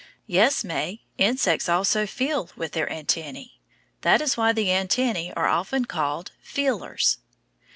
Yes, May, insects also feel with their antennæ. That is why the antennæ are often called "feelers."